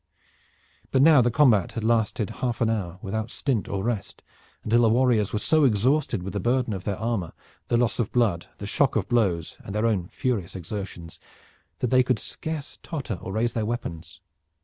But now the combat had lasted half an hour without stint or rest, until the warriors were so exhausted with the burden of their armor, the loss of blood, the shock of blows, and their own furious exertions, that they could scarce totter or raise their weapons.